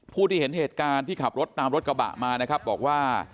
ผู้ที่เห็นเหตุการณ์ที่ขับรถตามรถกระบะมานะครับบอกว่า